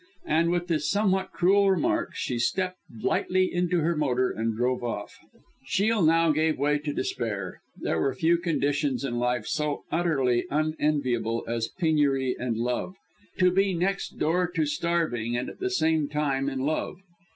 And, with this somewhat cruel remark, she stepped lightly into her motor, and drove off. Shiel now gave way to despair. There are few conditions in life so utterly unenviable as penury and love to be next door to starving, and at the same time in love.